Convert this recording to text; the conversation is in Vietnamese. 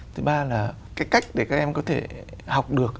thứ ba là cái cách để các em có thể học được